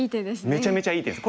めちゃめちゃいい手です。